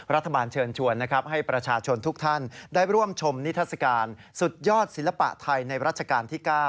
รัฐบาลเชิญชวนนะครับให้ประชาชนทุกท่านได้ร่วมชมนิทัศกาลสุดยอดศิลปะไทยในรัชกาลที่๙